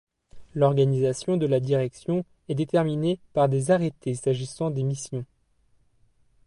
L'organisation de la direction est déterminée par des arrêtés s'agissant des missions.